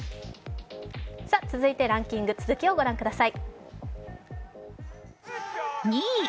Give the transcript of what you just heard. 続いてランキング、続きをご覧ください。